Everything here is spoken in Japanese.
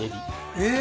えっ！